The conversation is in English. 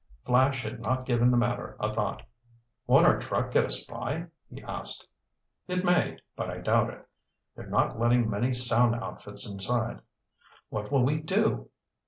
Flash had not given the matter a thought. "Won't our truck get us by?" he asked. "It may, but I doubt it. They're not letting many sound outfits inside." "What will we do?"